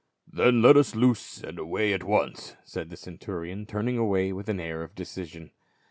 "Then let us loose and away at once," said the centurion, turning away with an air of decision.